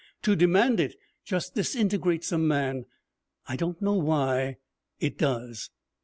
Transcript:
To demand it just disintegrates a man. I don't know why. It does.'